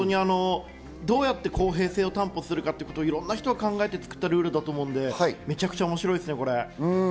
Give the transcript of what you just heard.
どうやって公平性を担保するか、いろんな人が考えて作ったルールだと思うので、めちゃくちゃ面白いですよ、これ。